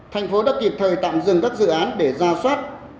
thành phố đã kịp thời tạm dừng các dự án để ra soát